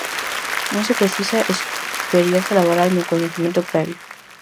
Non se precisa experiencia laboral nin coñecemento previo.